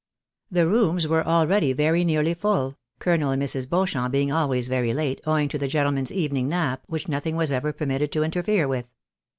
The rooms were already very nearly full. Colonel and Mrs. Beauchamp being always very late, owing to the gentleman's evening nap, which nothing was ever permitted to interfere with.